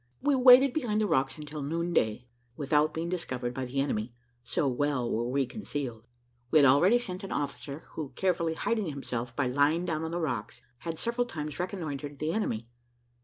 We waited behind the rocks until noonday, without being discovered by the enemy, so well were we concealed. We had already sent an officer, who, carefully hiding himself by lying down on the rocks, had several times reconnoitred the enemy.